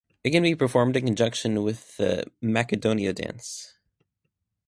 It can be performed in conjunction with the "Makedonia" dance.